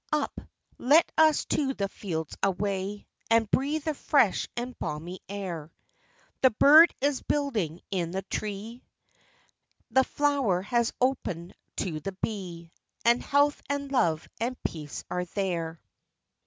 Up — let us to the fields away, And breathe the fresh and balmy air; The bird is building in the tree, The flower has open'd to the bee, And health and love and peace are there.